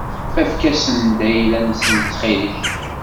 Efk-asent-d ayla-nsent ttxil-k.